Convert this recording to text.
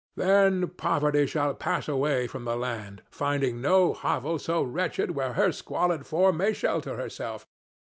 Then Poverty shall pass away from the land, finding no hovel so wretched where her squalid form may shelter herself.